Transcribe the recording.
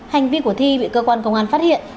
hành vi của thi bị cơ quan công an phát hiện